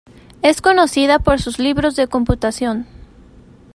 Es conocida por sus libros de computación.